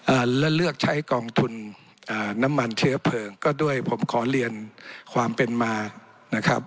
เลือกใช้กองทุนอ่าน้ำมันเชื้อเพลิงก็ด้วยผมขอเรียนความเป็นมานะครับ